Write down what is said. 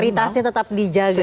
tapi popularitasnya tetap dijaga ya